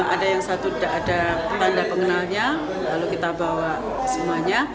ada yang satu ada tanda pengenalnya lalu kita bawa semuanya